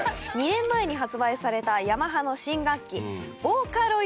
２年前に発売されたヤマハの新楽器。